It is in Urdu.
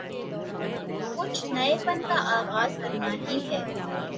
کچھ نئے پن کا آغاز کرنا ہی ہے۔